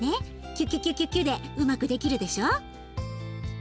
キュキュキュキュキュでうまくできるでしょ？